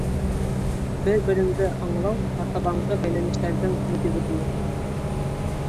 Бер-береңде аңлау артабанғы бәйләнештәрҙең нигеҙе булыр.